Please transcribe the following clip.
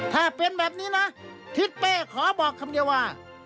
ถ้าเป็นแบบนี้นะทิศเป้ขอบอกคำเดียวว่า